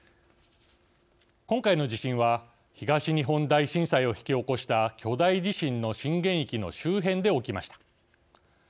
今回の地震は東日本大震災を引き起こした巨大地震の震源域の周辺で起きました。